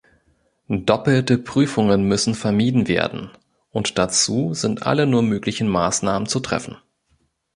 Doppelte Prüfungen müssen vermieden werden, und dazu sind alle nur möglichen Maßnahmen zu treffen.